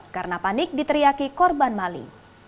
karena panik diteriaki korban mali